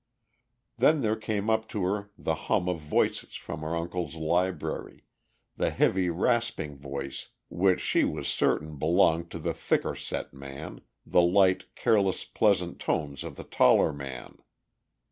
Then there came up to her the hum of voices from her uncle's office, the heavy, rasping voice which she was certain belonged to the thicker set man, the light, careless pleasant tones of the taller man.